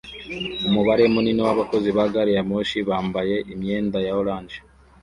Umubare munini w'abakozi ba gari ya moshi bambaye imyenda ya orange